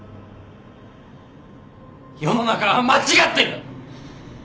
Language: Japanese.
世の中は間違ってる！